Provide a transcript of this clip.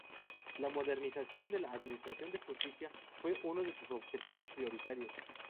La modernización de la Administración de Justicia fue uno de sus objetivos prioritarios.